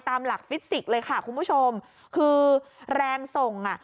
ตามหลักฟิสิกส์เลยค่ะคุณผู้ชมคือแรงส่งอ่ะ